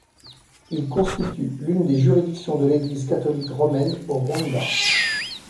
Il constitue l'une des juridictions de l'Église catholique romaine au Rwanda.